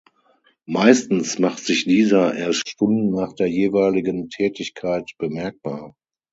Meistens macht sich dieser erst Stunden nach der jeweiligen Tätigkeit bemerkbar.